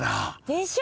でしょ？